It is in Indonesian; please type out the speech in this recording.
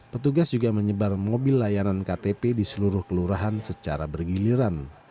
petugas juga menyebar mobil layanan ktp di seluruh kelurahan secara bergiliran